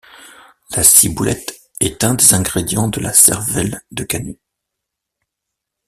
La ciboulette est un des ingrédients de la cervelle de canut.